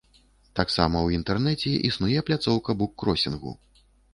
Таксама ў інтэрнэце існуе пляцоўка буккросінгу.